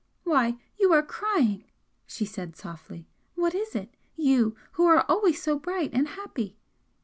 "Why, you are crying!" she said, softly. "What is it? You, who are always so bright and happy!"